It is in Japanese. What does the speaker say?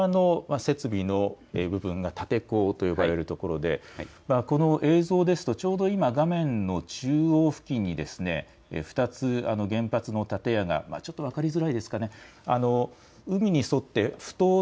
そしてその放出をする陸側の設備の部分が立て坑と呼ばれるところでこの映像ですとちょうど今画面の中央付近に２つ原発の建屋がちょっと分かりづらいですかね。